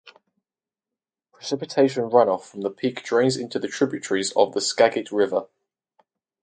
Precipitation runoff from the peak drains into tributaries of the Skagit River.